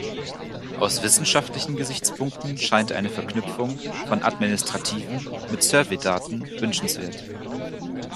Aus wissenschaftlichen Gesichtspunkten scheint eine Verknüpfung von administrativen mit Survey-Daten wünschenswert.